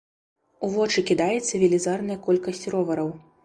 У вочы кідаецца велізарная колькасць ровараў.